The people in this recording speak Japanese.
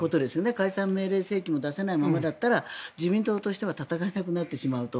解散命令請求も出せないままだったら自民党としては戦えなくなってしまうと。